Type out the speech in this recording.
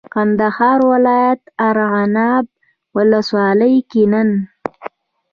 کندهار ولایت ارغنداب ولسوالۍ کې نن